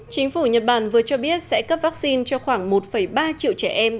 chính phủ nhật bản vừa cho biết sẽ cấp vaccine cho khoảng một ba triệu trẻ em